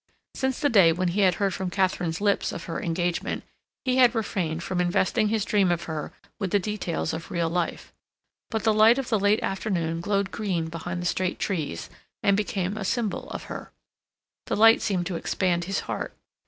Since the day when he had heard from Katharine's lips of her engagement, he had refrained from investing his dream of her with the details of real life. But the light of the late afternoon glowed green behind the straight trees, and became a symbol of her. The light seemed to expand his heart.